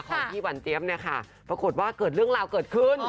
ของพี่หวันเจี๊ยบเนี่ยค่ะปรากฏว่าเกิดเรื่องราวเกิดขึ้น